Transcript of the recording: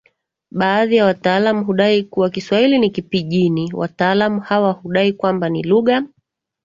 Baadhi ya wataalamu hudai kuwa Kiswahili ni KiPijini Wataalamu hawa hudai kwamba ni lugha